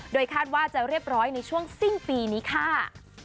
โดยคาดว่าจะเรียบร้อยในช่วงสิ้นปีนี้ค่ะ